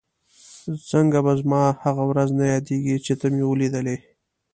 څنګه به زما هغه ورځ نه یادېږي چې ته مې ولیدلې؟